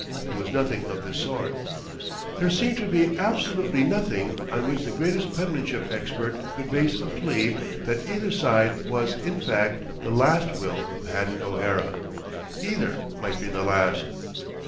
There was nothing of this sort. There seemed to be absolutely nothing on which the greatest penmanship expert could base a plea that either side was, in fact, the last will of Haddon O'Hara. Either might be the last.